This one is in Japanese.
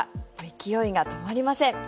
勢いが止まりません。